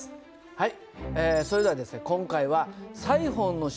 はい。